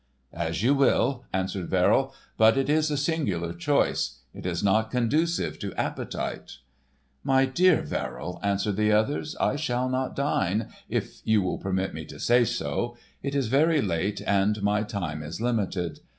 "As you will," answered Verrill, "but it is a singular choice. It is not conducive to appetite." "My dear Verrill," answered the other, "I shall not dine, if you will permit me to say so. It is very late and my time is limited.